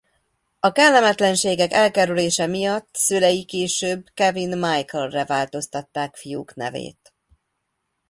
A kellemetlenségek elkerülése miatt szülei később Kevin Michaelre változtatták fiuk nevét.